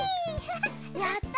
やった！！